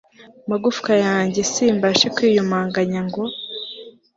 magufwa yanjye simbashe kwiyumanganya ngo